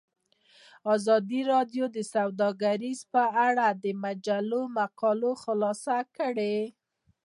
ازادي راډیو د سوداګري په اړه د مجلو مقالو خلاصه کړې.